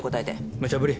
むちゃ振り。